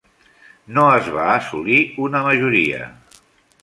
No es va assolir una majoria.